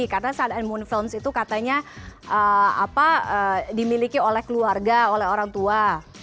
karena sun and moon films itu katanya dimiliki oleh keluarga oleh orang tua